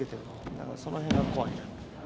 だからその辺が怖いな。